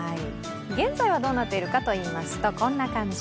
現在はどうなっているかといいますと、こんな感じ。